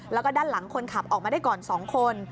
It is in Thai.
แล้วก็ด้านหลังคนขับออกมาได้ก่อน๒คน